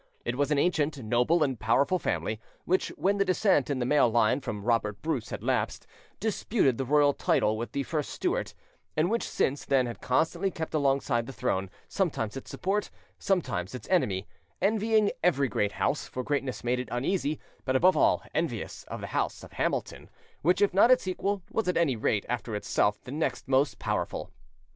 It was an ancient, noble, and powerful family, which, when the descent in the male line from Robert Bruce had lapsed, disputed the royal title with the first Stuart, and which since then had constantly kept alongside the throne, sometimes its support, sometimes its enemy, envying every great house, for greatness made it uneasy, but above all envious of the house of Hamilton, which, if not its equal, was at any rate after itself the next most powerful.